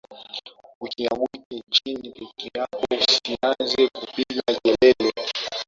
Ukianguka chini pekee yako usianze kupiga kelele